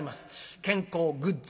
健康グッズ